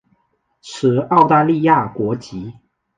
持澳大利亚国籍。